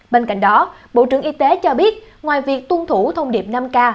bên cạnh đó bộ trưởng y tế cho biết ngoài việc tuân thủ thông điệp năm k